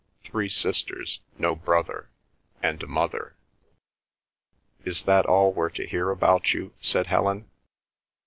"Three sisters, no brother, and a mother." "Is that all we're to hear about you?" said Helen.